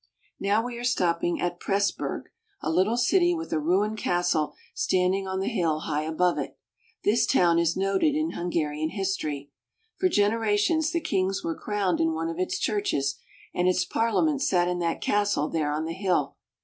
Now we are stopping at Pressburg, a little city with a ruined castle standing on the hill high above it. This town is noted in Hungarian history. For generations the kings were crowned in one of its churches, and its Parliament sat in that castle there on the hill.